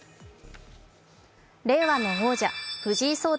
令和の王者、藤井聡太